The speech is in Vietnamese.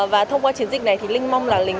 và thông qua chiến dịch này thì linh mong là lính